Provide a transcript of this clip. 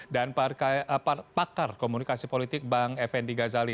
pakar komunikasi politik bang effendi ghazali